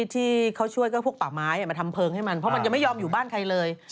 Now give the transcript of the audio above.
ที่เขาช่วยก็พวกป่าไม้มาทำเพลิงให้มันเพราะมันยังไม่ยอมอยู่บ้านใครเลย